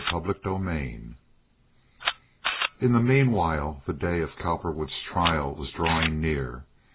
Chapter XXXIX In the meanwhile the day of Cowperwood's trial was drawing near.